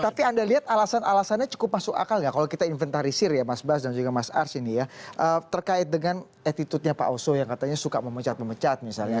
tapi anda lihat alasan alasannya cukup masuk akal nggak kalau kita inventarisir ya mas bas dan juga mas ars ini ya terkait dengan attitude nya pak oso yang katanya suka memecat pemecat misalnya